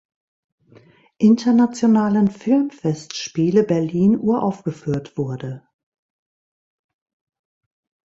Internationalen Filmfestspiele Berlin uraufgeführt wurde.